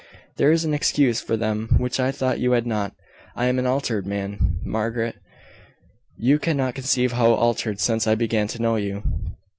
"There is an excuse for them which I thought you had not. I am an altered man, Margaret you cannot conceive how altered since I began to know you.